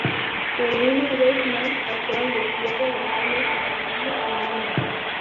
Pero una vez más pasó al destierro, dejando a su familia en Lima.